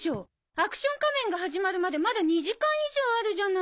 『アクション仮面』が始まるまでまだ２時間以上あるじゃない。